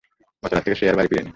গত রাত থেকে সে আর বাড়ি ফেরেনি।